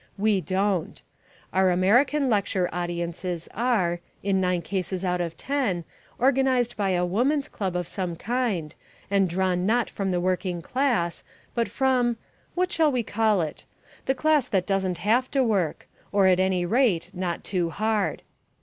We don't. Our American lecture audiences are, in nine cases out of ten, organised by a woman's club of some kind and drawn not from the working class, but from what shall we call it? the class that doesn't have to work, or, at any rate, not too hard.